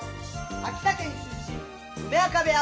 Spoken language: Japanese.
秋田県出身梅若部屋。